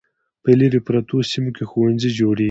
په لیرې پرتو سیمو کې ښوونځي جوړیږي.